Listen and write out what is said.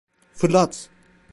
Fırlat!